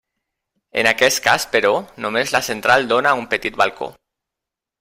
En aquest cas, però, només la central dóna a un petit balcó.